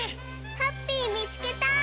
ハッピーみつけた！